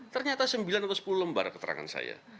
ternyata sembilan atau sepuluh lembar keterangan saya